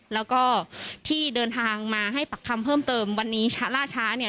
แล้วก็ที่เดินทางมาให้ปักคำเพิ่มเติมวันนี้ล่าช้าเนี่ย